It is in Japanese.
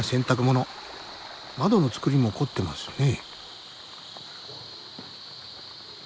窓の造りも凝ってますね。